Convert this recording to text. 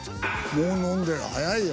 もう飲んでる早いよ。